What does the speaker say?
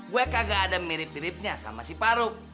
gue kagak ada mirip miripnya sama si paru